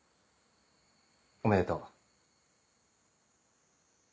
おめでとう。